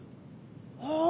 ああ。